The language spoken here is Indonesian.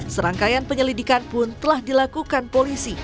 serangkaian penyelidikan pun telah dilakukan polisi